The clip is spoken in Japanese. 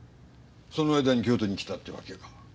その間に京都に来たってわけか。